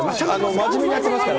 真面目にやってますから。